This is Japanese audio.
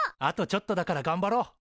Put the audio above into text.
あとちょっとだからがんばろう！